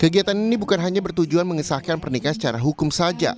kegiatan ini bukan hanya bertujuan mengesahkan pernikahan secara hukum saja